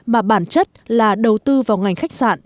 mà bản chất là đầu tư vào ngành khách sạn